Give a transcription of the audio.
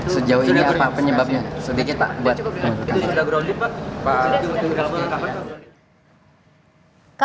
sejauh ini apa penyebabnya sedikit pak